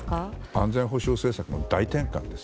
安全保障政策の大転換です。